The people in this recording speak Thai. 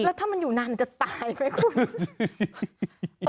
แล้วถ้ามันอยู่นานจะตายไหมคุณ